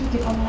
untuk di online